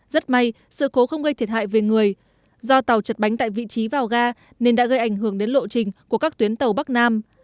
rất may sự cố không gây thiệt hại về người do tàu chật bánh tại vị trí vào ga nên đã gây ảnh hưởng đến lộ trình của các tuyến tàu bắc nam